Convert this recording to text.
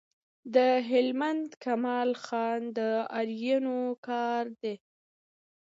د هلمند کمال خان د آرینو کار دی